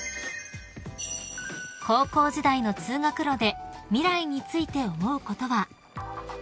［高校時代の通学路で未来について思うことは］